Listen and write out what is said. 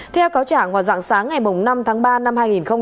theo cáo trả ngoài dạng sáng ngày năm tháng ba năm hai nghìn một mươi tám